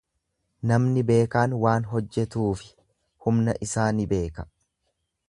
Namni beekaan waan hojjetuufi humna isaa ni beeka.